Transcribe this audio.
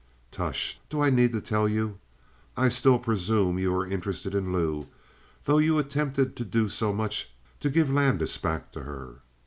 "Tush! Do I need to tell you? I still presume you are interested in Lou, though you attempted to do so much to give Landis back to her.